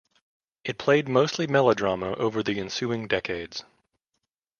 It played mostly melodrama over the ensuing decades.